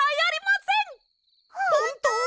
ほんと？